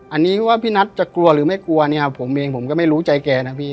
อันนี้ว่าพี่นัทจะกลัวหรือไม่กลัวเนี่ยผมเองผมก็ไม่รู้ใจแกนะพี่